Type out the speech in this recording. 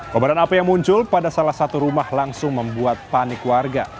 kobaran api yang muncul pada salah satu rumah langsung membuat panik warga